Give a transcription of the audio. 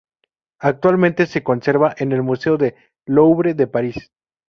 Actualmente se conserva en el Museo del Louvre de París.